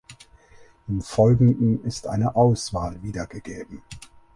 Im Folgenden ist eine Auswahl wiedergegeben.